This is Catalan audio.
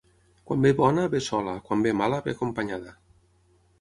Quan ve bona, ve sola; quan ve mala, ve acompanyada.